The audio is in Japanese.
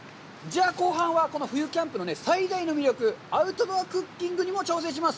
後半は冬キャンプのアウトドアクッキングにも挑戦します！